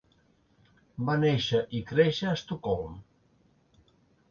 Va néixer i créixer a Estocolm.